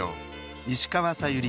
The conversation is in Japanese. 石川さゆり